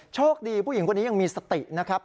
โชคดีผู้หญิงคนนี้ยังมีสตินะครับ